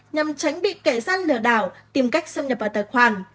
nhằm tránh bị kẻ gian lừa đảo tìm cách xâm nhập vào tài khoản